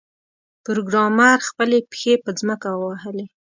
پروګرامر خپلې پښې په ځمکه ووهلې